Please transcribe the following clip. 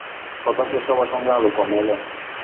কথা শেষ হবার সঙ্গে আলো কমে এল!